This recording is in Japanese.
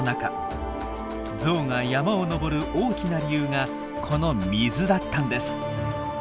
ゾウが山を登る大きな理由がこの水だったんです。